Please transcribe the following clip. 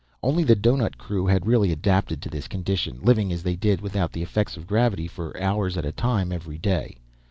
Only the doughnut crew had really adapted to this condition, living as they did without the effects of gravity for hours at a time every day.